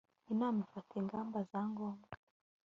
inama ifata ingamba za ngombwa